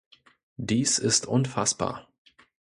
Dies ist unfassbar.